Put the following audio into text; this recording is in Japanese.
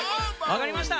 わかりました！